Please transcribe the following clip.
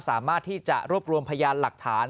สามารถที่จะรวบรวมพยานหลักฐาน